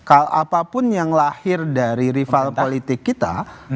apapun yang lahir dari rival politik kita